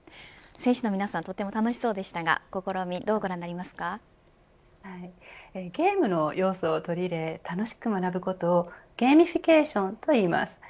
選手の皆さんとっても楽しそうですがゲームの要素を取り入れ楽しく学ぶことをゲーミフィケーションといいます。